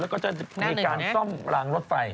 แล้วก็จะมีการซ่อมรางรถไฟ